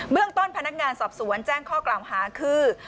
เรื่องต้นพนักงานสอบสวนแจ้งข้อกล่าวหาคือ